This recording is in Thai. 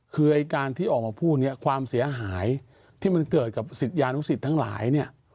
คือไอ้การที่ออกมาพูดเนี่ยความเสียหายที่มันเกิดกับศิษยานุสิตทั้งหลายเนี่ย